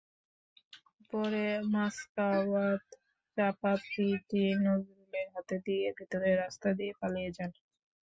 পরে মাসকাওয়াত চাপাতিটি নজরুলের হাতে দিয়ে ভেতরের রাস্তা দিয়ে পালিয়ে যান।